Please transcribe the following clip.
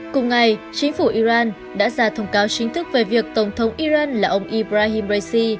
cùng ngày chính phủ iran đã ra thông cáo chính thức về việc tổng thống iran là ông ibrahim raisi